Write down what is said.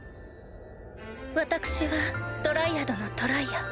私はドライアドのトライア。